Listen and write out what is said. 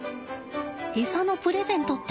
餌のプレゼントって